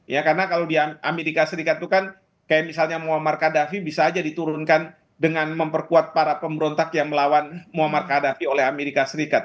ya karena kalau di amerika serikat itu kan kayak misalnya muhammad kadafi bisa aja diturunkan dengan memperkuat para pemberontak yang melawan muhammad kadafi oleh amerika serikat